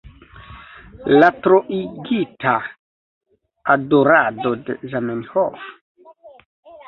La troigita adorado de Zamenhof?